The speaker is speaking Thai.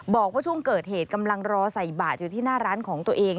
บอกว่าช่วงเกิดเหตุกำลังรอใส่บาทอยู่ที่หน้าร้านของตัวเอง